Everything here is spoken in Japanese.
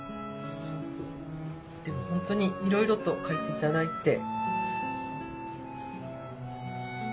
でも本当にいろいろと書いて頂いて。